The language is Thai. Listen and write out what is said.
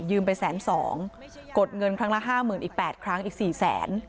ไปแสนสองกดเงินครั้งละห้าหมื่นอีกแปดครั้งอีกสี่แสน